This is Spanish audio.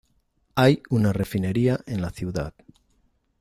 Hay una refinería en la ciudad.